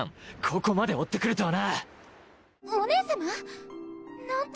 ここまで追ってくるとはな！